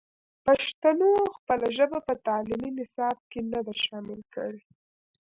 پښتنو خپله ژبه په تعلیمي نصاب کې نه ده شامل کړې.